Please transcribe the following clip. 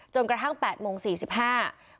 จนกระทั่ง๘โมง๔๕นาที